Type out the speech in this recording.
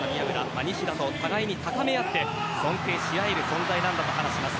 西田と互いに高め合って尊敬し合える存在と話します。